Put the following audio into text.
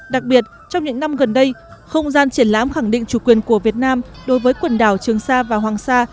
đặc biệt trong những năm gần đây không gian triển lãm khẳng định chủ quyền của việt nam đối với quần đảo trường sa và hoàng sa